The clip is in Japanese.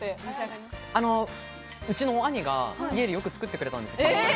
うちの兄が家でよく作ってくれたんです。